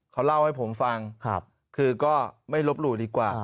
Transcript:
เขาเล่าให้ผมฟังคือก็ไม่ลบหลู่ดีกว่า